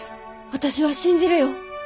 私は信じるよ。